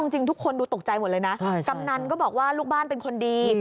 จริงทุกคนดูตกใจหมดเลยนะกำนันก็บอกว่าลูกบ้านเป็นคนดี